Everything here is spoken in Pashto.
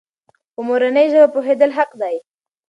په مورنۍ ژبه پوهېدل حق دی.